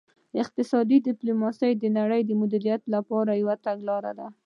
اقتصادي ډیپلوماسي د نړۍ د مدیریت لپاره یوه تګلاره ده